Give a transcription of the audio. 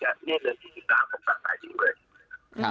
เฉพาะผมได้ยินแบบแน่เหนือน๒๐ตามผมจะตายจริงค่ะ